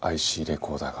ＩＣレコーダー？